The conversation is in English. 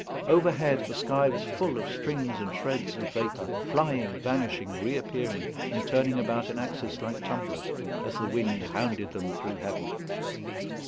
Overhead the sky was full of strings and shreds of vapour, flying, vanishing, reappearing, and turning about an axis like tumblers, as the wind hounded them through heaven.